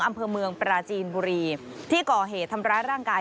อำเภอเมืองปราจีนบุรีที่ก่อเหตุทำร้ายร่างกาย